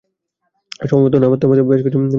সময়মতো না থামাতে পারলে বেশ কিছু মানুষ মারা পড়বে।